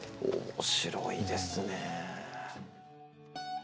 面白いですね。